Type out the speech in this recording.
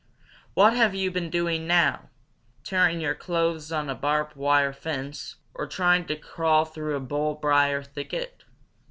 "What have you been doing now tearing your clothes on a barbed wire fence or trying to crawl through a bull briar thicket?